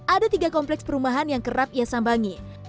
ada tiga kompleks perumahan yang kerap ia sambangi